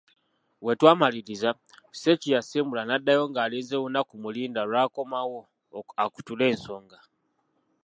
Bwe twamaliriza Sseeki yasimbula n'addayo ng'alinze lunaku mulindwa lw'akomawo akutule ensonga.